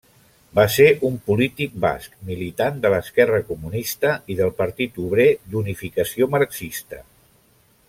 Va ser un polític basc, militant de l'Esquerra Comunista i del Partit Obrer d'Unificació Marxista.